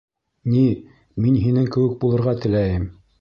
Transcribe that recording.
Ни, мин һинең кеүек булырға теләйем.